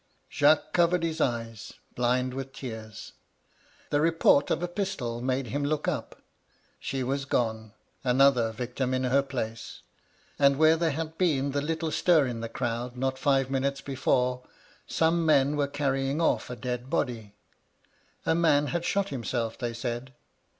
"Jacques covered his eyes, blinded with tears. The report of a pistol made him look up. She was gone —another victim in her place — and where there had been the little stir in the crowd not five minutes before, some men were carrying off a dead body. A man had shot himself, they said.